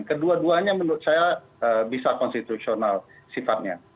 kedua duanya menurut saya bisa konstitusional sifatnya